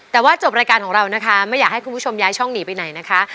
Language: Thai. แต่ว่าจบรายการของเรานะคะไม่อยากให้คุณผู้ชมย้ายช่องหนีไปไหนนะคะ